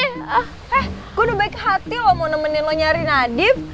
eh gue udah baik hati lo mau nemenin lo nyari nadif